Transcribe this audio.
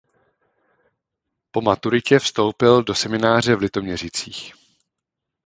Po maturitě vstoupil do semináře v Litoměřicích.